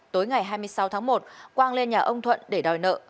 tối ngày hai mươi sáu tháng một quang lên nhà ông thuận để đòi nợ